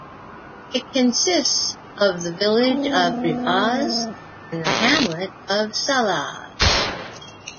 It consists of the village of Rivaz and the hamlet of Sallaz.